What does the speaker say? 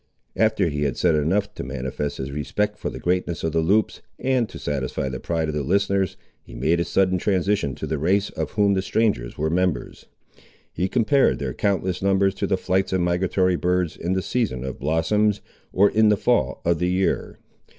After he had said enough to manifest his respect for the greatness of the Loups, and to satisfy the pride of the listeners, he made a sudden transition to the race of whom the strangers were members. He compared their countless numbers to the flights of migratory birds in the season of blossoms, or in the fall of the year.